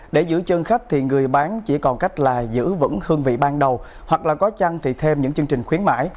để giữ chân khách người bán chỉ còn cách giữ vững hương vị ban đầu hoặc có chăn thì thêm những chương trình khuyến mãi